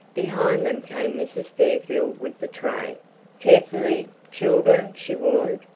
Behind them came Mrs. Fairfield with the tray. "Carefully, children," she warned.